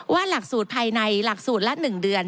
หลักสูตรภายในหลักสูตรละ๑เดือน